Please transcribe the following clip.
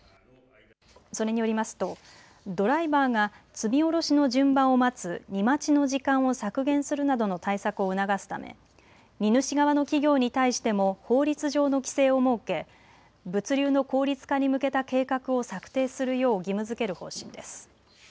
それによりますとドライバーが積み降ろしの順番を待つ荷待ちの時間を削減するなどの対策を促すため荷主側の企業に対しても法律上の規制を設け、物流の効率化に向けた計画を策定するよう義務づける方針です。